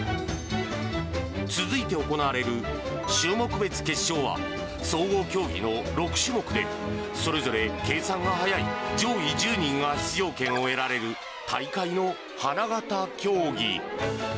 続いて行われる種目別決勝では、総合競技の６種目で、それぞれ計算が速い上位１０人が出場権を得られる大会の花形競技。